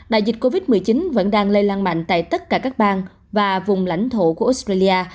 đại dịch covid một mươi chín vẫn đang lây lan mạnh tại tất cả các bang và vùng lãnh thổ của australia